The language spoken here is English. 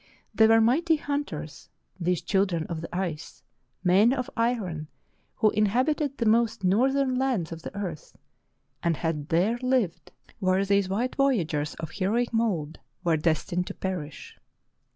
They were mighty hunters, these children of the ice, men of iron who inhabited the most northern lands of the earth, and had there lived where these white voyagers of heroic mould were destined to perish.